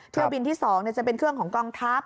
เที่ยวบินที่๒จะเป็นเครื่องของกองทัพ